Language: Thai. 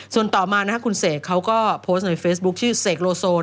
ส่วนต่อมานะครับคุณเสกเขาก็โพสต์ในเฟซบุ๊คชื่อเสกโลโซ